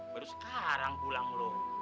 baru sekarang pulang lo